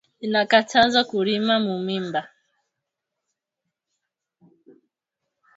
Ina katazwa kurima mu miba